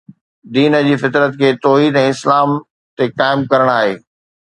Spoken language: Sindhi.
دين جي فطرت کي توحيد ۽ اسلام تي قائم ڪرڻ آهي